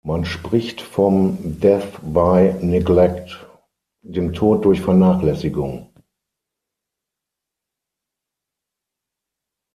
Man spricht vom "death by neglect", dem Tod durch Vernachlässigung.